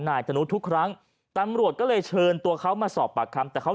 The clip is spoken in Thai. ธนุทุกครั้งตำรวจก็เลยเชิญตัวเขามาสอบปากคำแต่เขา